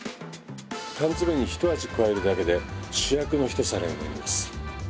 缶詰にひと味加えるだけで主役のひと皿になります。